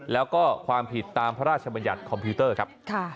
แล้วก็ความผิดตามพระราชบัญญัติคอมพิวเตอร์ครับ